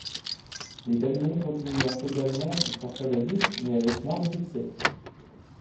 Les Belmonts continuèrent également de sortir des disques, mais avec moins de succès.